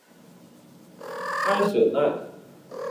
埃舍奈。